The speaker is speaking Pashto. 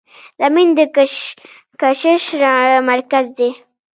زمین د کشش مرکز دی.